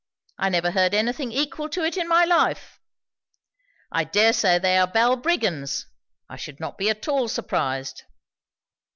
I never heard anything equal to it in my life. I dare say they are Balbriggans. I should not be at all surprised!"